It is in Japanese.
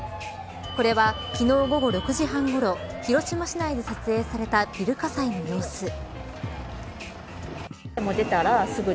これは、昨日午後６時半ごろ広島市内で撮影されたビル火災の様子。